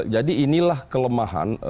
jadi inilah kelemahan